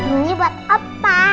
ini buat opa